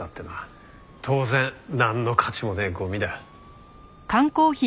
当然なんの価値もねえゴミだ。